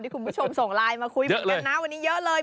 ที่คุณผู้ชมส่งไลน์มาคุยกันนะวันนี้เยอะเลย